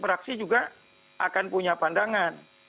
fraksi juga akan punya pandangan